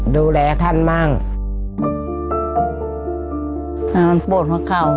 ดูแลท่านมาก